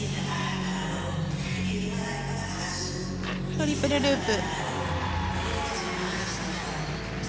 トリプルループ。